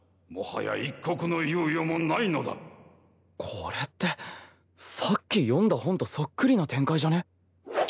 これってさっき読んだ本とそっくりな展開じゃね？